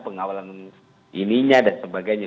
pengawalan ininya dan sebagainya